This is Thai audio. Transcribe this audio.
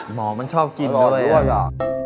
หมอมันชอบกินด้วยอะ